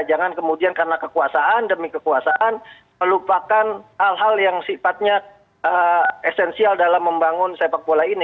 jangan kemudian karena kekuasaan demi kekuasaan melupakan hal hal yang sifatnya esensial dalam membangun sepak bola ini